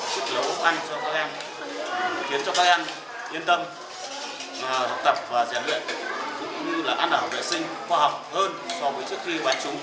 giúp lấy hộp ăn cho các em khiến cho các em yên tâm và học tập và giải luyện cũng như là an ảo đại sinh khoa học hơn so với trước khi bán chú